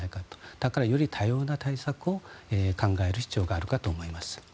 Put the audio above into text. だから、より多様な対策を考える必要があるかと思います。